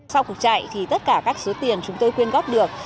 sau cuộc chạy thì tất cả các số tiền chúng tôi quyên góp được